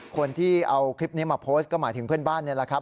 คนที่เอาคลิปนี้มาโพสต์ก็หมายถึงเพื่อนบ้านนี่แหละครับ